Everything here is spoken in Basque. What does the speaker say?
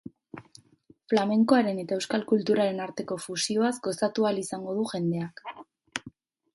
Flamenkoaren eta euskal kulturaren arteko fusioaz gozatu ahal izango du jendeak.